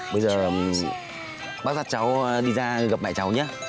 bây giờ bác giác cháu đi ra gặp mẹ cháu nhé